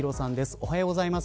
おはようございます。